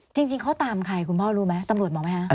จริงเขาตามใครคุณพ่อรู้ไหมตำรวจมองไหมคะ